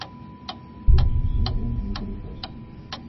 Dit is een zeer ingewikkelde kwestie.